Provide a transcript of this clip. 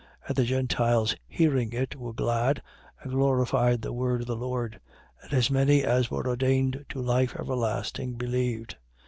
13:48. And the Gentiles hearing it were glad and glorified the word of the Lord: and as many as were ordained to life everlasting believed.